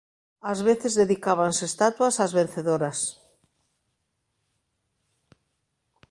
Ás veces dedicábanse estatuas ás vencedoras.